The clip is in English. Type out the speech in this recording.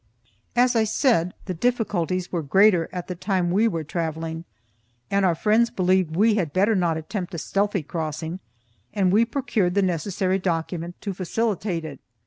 As I said, the difficulties were greater at the time we were travelling, and our friends believed we had better not attempt a stealthy crossing, and we procured the necessary document to facilitate it.